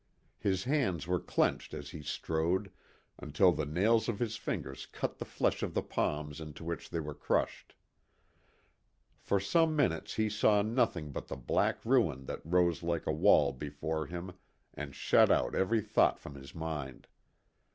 His hands were clenched as he strode, until the nails of his fingers cut the flesh of the palms into which they were crushed. For some minutes he saw nothing but the black ruin that rose like a wall before him and shut out every thought from his mind.